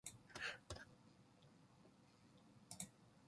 오늘 운수가 괴상하게도 좋으니까 그런 요행이 또 한번 없으리라고 누가 보증하랴.